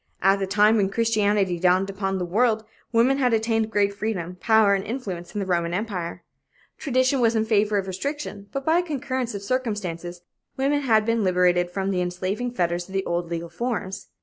At the time when Christianity dawned upon the world, women had attained great freedom, power and influence in the Roman empire. Tradition was in favor of restriction, but by a concurrence of circumstances, women had been liberated from the enslaving fetters of the old legal forms.